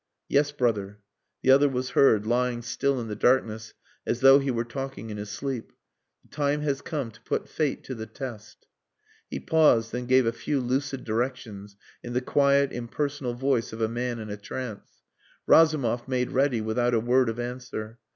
"Yes, brother." The other was heard, lying still in the darkness as though he were talking in his sleep. "The time has come to put fate to the test." He paused, then gave a few lucid directions in the quiet impersonal voice of a man in a trance. Razumov made ready without a word of answer.